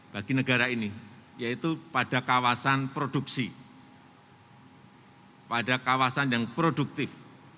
bagi negara ini yaitu pada kawasan produksi pada kawasan yang produktif